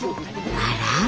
あら？